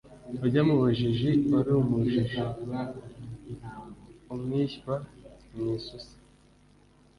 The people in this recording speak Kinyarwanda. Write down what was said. Ujya mu bajiji wari umujiji ?-Umwishywa mu isusa.